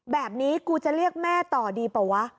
แบบนี้กูจะเรียกแม่ต่อดีเปล่าวะ